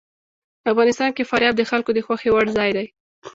افغانستان کې فاریاب د خلکو د خوښې وړ ځای دی.